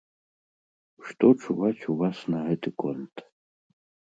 Што чуваць у вас на гэты конт?